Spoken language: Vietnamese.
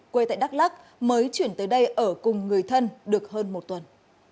quê tại đắk lắc mới chuyển tới đây ở cùng người thân được hơn một tuần